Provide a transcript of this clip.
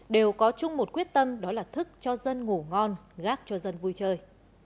đều có chung một quyết tâm đó là thức cho dân ngủ ngon gác cho dân vui chơi